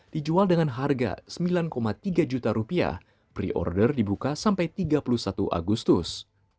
dijual dengan harga sembilan tiga juta rupiah pre order dibuka sampai tiga puluh satu agustus